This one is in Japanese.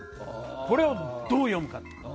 これをどう読むか。